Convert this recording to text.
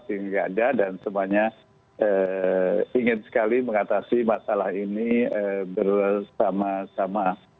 tidak ada dan semuanya ingin sekali mengatasi masalah ini bersama sama